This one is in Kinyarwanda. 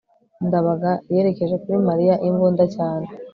ndabaga yerekeje kuri mariya imbunda cyane